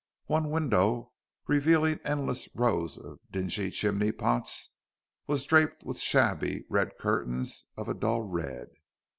One window, revealing endless rows of dingy chimney pots, was draped with shabby rep curtains of a dull red.